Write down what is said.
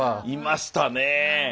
いましたね。